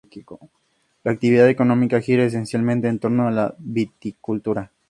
La actividad económica gira esencialmente en torno a la viticultura.